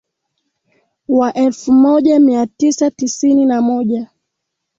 Wa elfu moja mia tisa tisini na moja